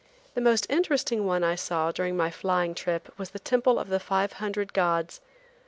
The most interesting one I saw during my flying trip was the Temple of the Five Hundred Gods.